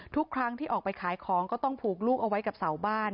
ทุกครั้งที่ออกไปขายของก็ต้องผูกลูกเอาไว้กับเสาบ้าน